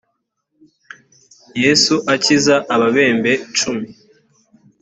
yesu akiza ababembe cumi